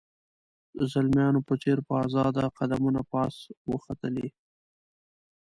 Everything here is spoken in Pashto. د زلمیانو په څېر په آزاده قدمونو پاس وختلې.